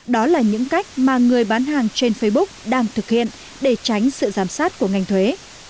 đó là những cách mà người bán hàng trên facebook đang thực hiện để tránh sự giám sát của ngành thuế